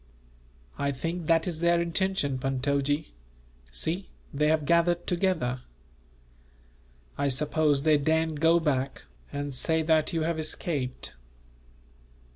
"I think that is their intention, Puntojee. See, they have gathered together! I suppose they daren't go back, and say that you have escaped."